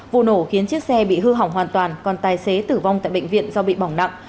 vụ nổ khiến chiếc xe bị hư hỏng hoàn toàn còn tài xế tử vong tại bệnh viện do bị bỏng nặng